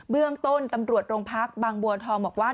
เรื่องต้นตำรวจโรงพักบางบัวทองบอกว่า